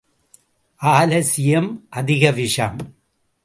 ஆலசியம் அதிக விஷம்.